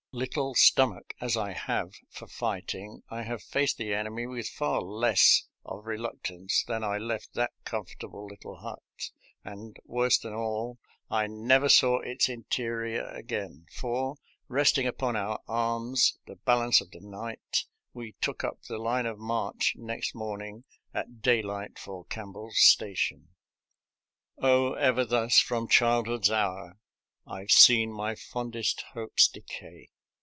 Little stomach as I have for fight ing, I have faced the enemy with far less of re luctance than I left that comfortable little hut; and, worse than all, I never saw its interior again, for, resting upon our arms the balance of the night, we took up the line of march next morning at daylight for Campbell's Station. " Oh ever thus from childhood's hour I've seen my fondest hopes decay."